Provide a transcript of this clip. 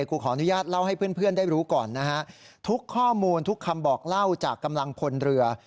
กูขออนุญาตเล่าให้เพื่อนได้รู้ก่อนนะฮะทุกข้อมูลทุกคำบอกเล่าจากกำลังพลเรือ